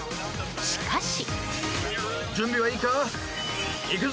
しかし。